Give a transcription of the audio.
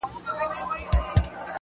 وجود چي د ژوند ټوله محبت خاورې ايرې کړ